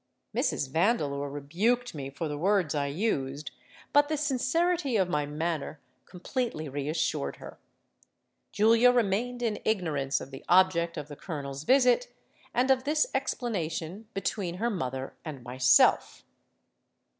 '—Mrs. Vandeleur rebuked me for the words I used; but the sincerity of my manner completely reassured her. Julia remained in ignorance of the object of the Colonel's visit and of this explanation between her mother and myself.